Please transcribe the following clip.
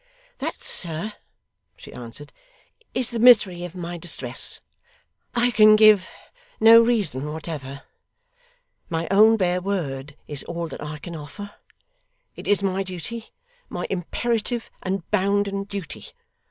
'That, sir,' she answered, 'is the misery of my distress. I can give no reason whatever. My own bare word is all that I can offer. It is my duty, my imperative and bounden duty.